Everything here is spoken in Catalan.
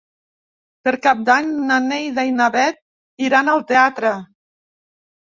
Per Cap d'Any na Neida i na Bet iran al teatre.